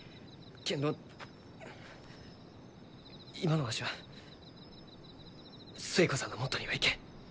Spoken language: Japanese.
けんど今のわしは寿恵子さんのもとには行けん。